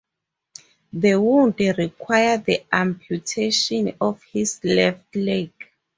The wound required the amputation of his left leg.